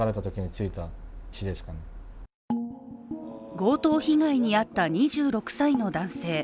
強盗被害に遭った２６歳の男性。